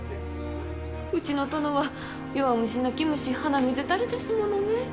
うちの殿は弱虫泣き虫鼻水垂れですものね。